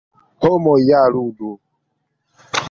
Homoj ja ludu.